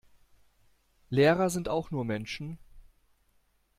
Lehrer sind auch nur Menschen.